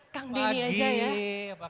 kang deni aja ya